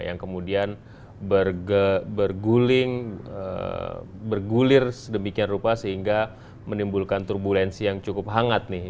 yang kemudian berguling bergulir sedemikian rupa sehingga menimbulkan turbulensi yang cukup hangat nih